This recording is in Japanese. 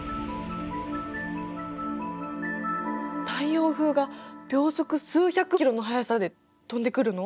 太陽風が秒速数百キロの速さで飛んでくるの？